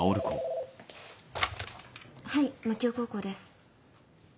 はい槙尾高校です。